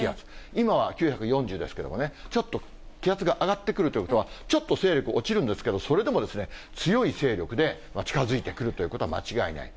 今は９４０ですけれどもね、ちょっと気圧が上がってくるということは、ちょっと勢力落ちるんですけど、それでも強い勢力で近づいてくるということは間違いない。